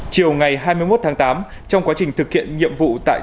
chiều ngày hai mươi một tháng tám trong quá trình thực hiện nhiệm vụ tại điều truyền thống